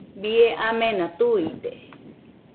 Bie amena tuide